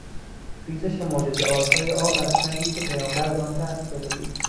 ریزش معجرهآسای آب از سنگی که پیامبر به آن دست زده بود.